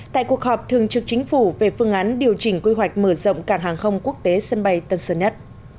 tại cuộc họp thường trực chính phủ về phương án điều chỉnh quy hoạch mở rộng cảng hàng không quốc tế sân bay tân sơn nhất